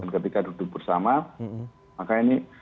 dan ketika duduk bersama makanya ini